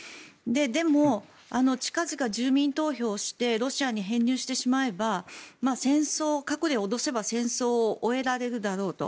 でも近々、住民投票をしてロシアに編入してしまえば核で脅せば戦争を終えられるだろうと。